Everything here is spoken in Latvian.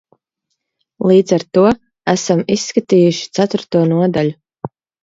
Līdz ar to esam izskatījuši ceturto nodaļu.